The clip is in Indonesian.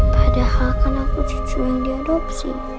padahal kan aku cucu yang diadopsi